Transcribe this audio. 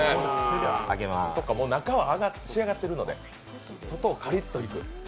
そうか、中はもう仕上がってるので、外をカリッといく。